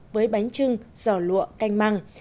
với bánh trưng giò lụa canh măng